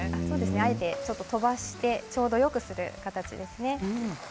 あえて飛ばしてちょうどよくする形ですね。